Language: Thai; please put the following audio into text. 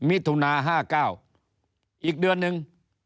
อีกเดือนนึง